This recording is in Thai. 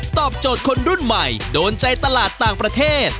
ตอบโจทย์คนรุ่นใหม่โดนใจตลาดต่างประเทศ